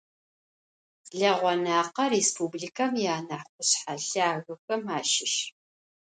Leğo - Nakhe rêspublikem yianah khuşshe lhagexem aşış.